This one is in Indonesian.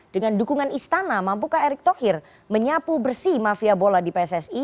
dengan dukungan istana mampukah erick thohir menyapu bersih mafia bola di pssi